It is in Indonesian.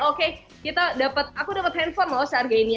oke kita dapat aku dapat handphone loh seharga ini